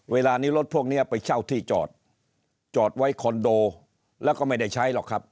เวลานี้รถพวกนี้ไปเช่าที่จอดจอดไว้คอนโดแล้วก็ไม่ได้ใช้หรอกครับ